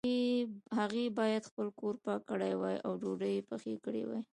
هغې باید خپل کور پاک کړی وای او ډوډۍ یې پخې کړي وای